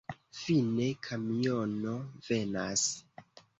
Fine, kamiono venas.